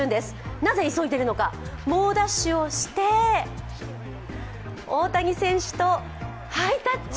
なぜ急いでいるのか、猛ダッシュをして大谷選手とハイタッチ！